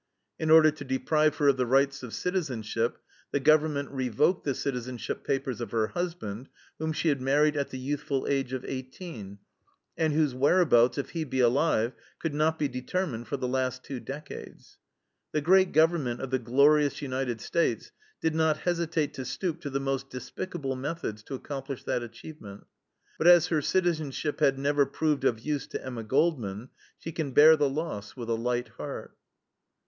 In order to deprive her of the rights of citizenship, the government revoked the citizenship papers of her husband, whom she had married at the youthful age of eighteen, and whose whereabouts, if he be alive, could not be determined for the last two decades. The great government of the glorious United States did not hesitate to stoop to the most despicable methods to accomplish that achievement. But as her citizenship had never proved of use to Emma Goldman, she can bear the loss with a light heart.